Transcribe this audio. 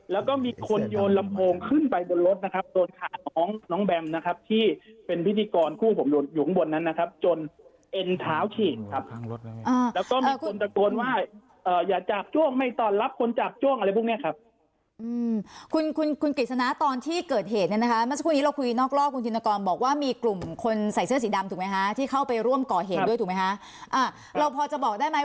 ว่าคุณธินากรบอกว่าคุณธินากรบอกว่าคุณธินากรบอกว่าคุณธินากรบอกว่าคุณธินากรบอกว่าคุณธินากรบอกว่าคุณธินากรบอกว่าคุณธินากรบอกว่าคุณธินากรบอกว่าคุณธินากรบอกว่าคุณธินากรบอกว่าคุณธินากรบอกว่าคุณธินากรบอกว่าคุณธินากรบอกว่าคุณธินากรบอกว่าคุณธินาก